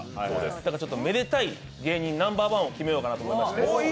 だからめでたい芸人ナンバーワンを決めようかなと思いまして。